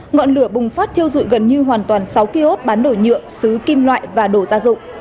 ngọn lửa bùng phát thiêu dụi gần như hoàn toàn sáu kiosk bán đổi nhựa xứ kim loại và đồ gia dụng